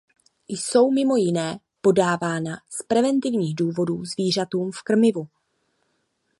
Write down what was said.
Jsou, mimo jiné, podávána z preventivních důvodů zvířatům v krmivu.